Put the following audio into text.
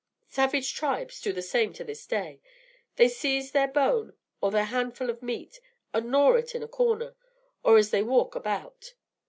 Savage tribes do the same to this day; they seize their bone or their handful of meat and gnaw it in a corner, or as they walk about.